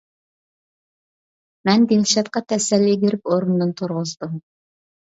مەن دىلشاتقا تەسەللى بېرىپ ئورنىدىن تۇرغۇزدۇم.